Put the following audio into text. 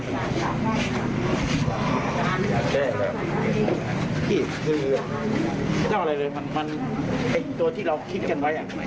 พี่คือไม่ต้องอะไรเลยมันเป็นตัวที่เราคิดกันไว้